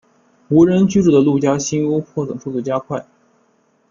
无人居住的陆家新屋破损速度加快。